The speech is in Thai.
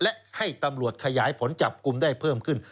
และให้ตำรวจขยายผลจับกลุ่มได้เพิ่มขึ้น